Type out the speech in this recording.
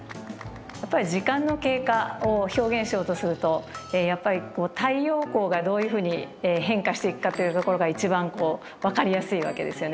やっぱり時間の経過を表現しようとするとやっぱり太陽光がどういうふうに変化していくかというところが一番分かりやすいわけですよね。